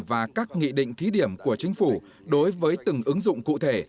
và các nghị định thí điểm của chính phủ đối với từng ứng dụng cụ thể